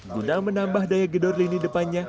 guna menambah daya gedor lini depannya